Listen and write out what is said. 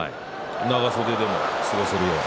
長袖でも過ごせるような。